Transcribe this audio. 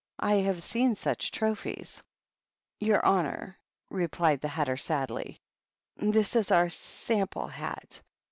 I have seen such trophies/' " Your honor/' replied the Hatter, sadly, " this is our sample hat.